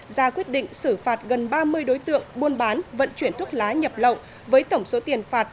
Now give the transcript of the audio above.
ra quyết định xử phạt gần ba mươi đối tượng buôn bán vận chuyển thuốc lá nhập lậu với tổng số tiền phạt